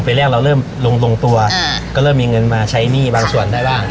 แรกเราเริ่มลงลงตัวก็เริ่มมีเงินมาใช้หนี้บางส่วนได้บ้าง